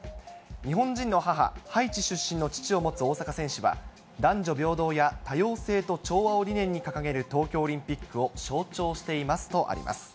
日本人の母、ハイチ出身の父を持つ大坂選手は、男女平等や多様性と調和を理念に掲げる東京オリンピックを象徴していますとあります。